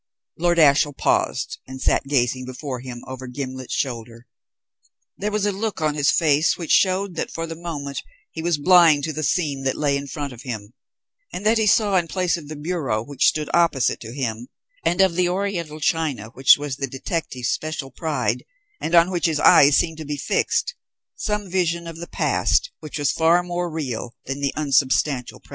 Lord Ashiel paused, and sat gazing before him, over Gimblet's shoulder. There was a look on his face which showed that for the moment he was blind to the scene that lay in front of him, and that he saw in place of the bureau which stood opposite to him, and of the Oriental china which was the detective's special pride, and on which his eyes seemed to be fixed, some vision of the past which was far more real than the unsubstantial present.